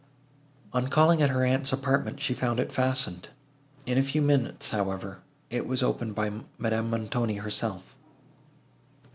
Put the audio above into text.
On calling at her aunt's apartment, she found it fastened. In a few minutes, however, it was opened by Madame Montoni herself.